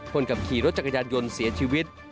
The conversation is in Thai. คนขับขี่รถจักรยานยนต์เสียชีวิต